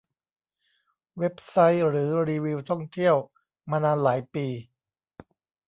เว็บไซต์ หรือรีวิวท่องเที่ยวมานานหลายปี